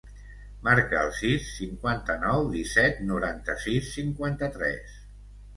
Marca el sis, cinquanta-nou, disset, noranta-sis, cinquanta-tres.